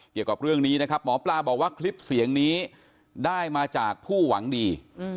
เกี่ยวกับเรื่องนี้นะครับหมอปลาบอกว่าคลิปเสียงนี้ได้มาจากผู้หวังดี